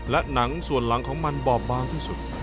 และหนังส่วนหลังของมันบอบบางที่สุด